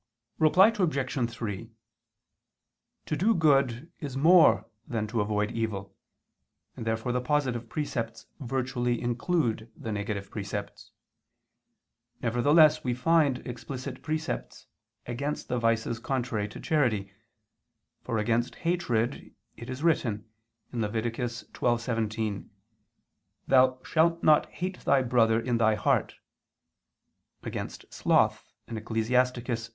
Reply Obj. 3: To do good is more than to avoid evil, and therefore the positive precepts virtually include the negative precepts. Nevertheless we find explicit precepts against the vices contrary to charity: for, against hatred it is written (Lev. 12:17): "Thou shalt not hate thy brother in thy heart"; against sloth (Ecclus.